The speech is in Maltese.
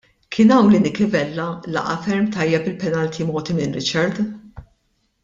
Kien hawn li Nicky Vella laqa' ferm tajjeb il-penalti mogħti minn Richard.